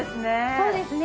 そうですね。